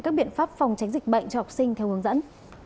các biện pháp phòng tránh dịch bệnh cho học sinh theo hướng dẫn